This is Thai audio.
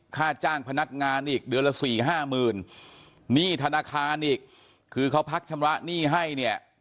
ค่าจ้างพนักงานอีกเดือนละสี่ห้าหมื่นหนี้ธนาคารอีกคือเขาพักชำระหนี้ให้เนี่ย